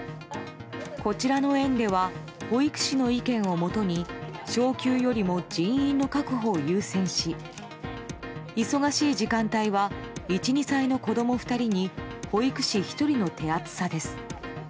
こちらの園では保育士の意見をもとに昇給よりも人員の確保を優先し忙しい時間帯は１２歳の子供２人に保育士１人の手厚さです。